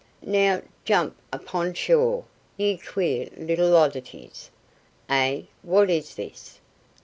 "Now, jump upon shore, ye queer little oddities. (Eh, what is this?